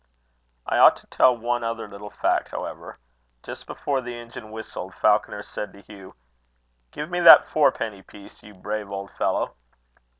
I ought to tell one other little fact, however. Just before the engine whistled, Falconer said to Hugh: "Give me that fourpenny piece, you brave old fellow!"